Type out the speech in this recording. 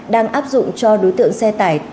đang áp dụng cho đối tượng xe tải